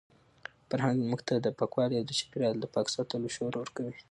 فرهنګ موږ ته د پاکوالي او د چاپیریال د پاک ساتلو شعور ورکوي.